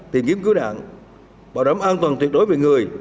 tìm kiếm cứu nạn bảo đảm an toàn tuyệt đối về người